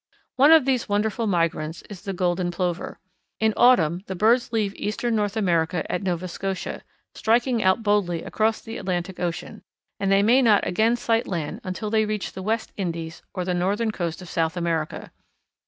One of these wonderful migrants is the Golden Plover. In autumn the birds leave eastern North America at Nova Scotia, striking out boldly across the Atlantic Ocean, and they may not again sight land until they reach the West Indies or the northern coast of South America.